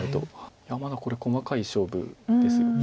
いやまだこれ細かい勝負です。